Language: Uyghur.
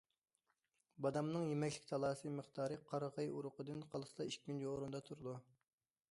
بادامنىڭ يېمەكلىك تالاسى مىقدارى قارىغاي ئۇرۇقىدىن قالسىلا ئىككىنچى ئورۇندا تۇرىدۇ.